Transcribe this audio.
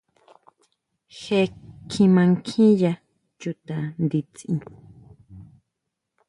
Je kjima nkjiya chuta nditsin.